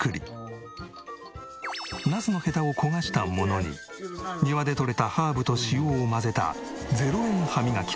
ナスのヘタを焦がしたものに庭でとれたハーブと塩を混ぜた０円歯磨き粉。